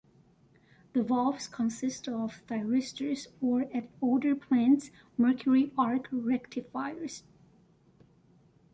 The valves consist of thyristors, or at older plants, mercury arc rectifiers.